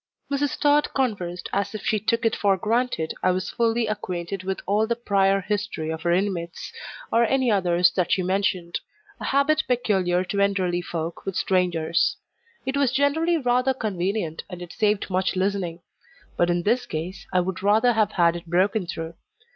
Mrs. Tod conversed as if she took it for granted I was fully acquainted with all the prior history of her inmates, or any others that she mentioned a habit peculiar to Enderley folk with strangers. It was generally rather convenient, and it saved much listening; but in this case, I would rather have had it broken through.